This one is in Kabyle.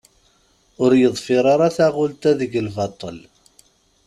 Ur yeḍfir ara taɣult-a deg lbaṭṭel.